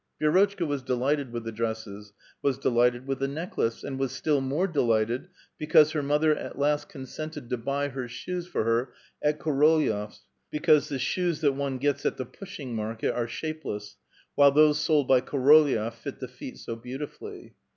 Vi^rotchka was delighted with the dresses, was delighted with the necklace, and was still more delighted because her mother at last consented to buy her shoes for her at Korolyef's, because the shoes that one gets at the ''Pushing Market" are shapeless, while those sold by Koro lyef fit the feet so beautifully.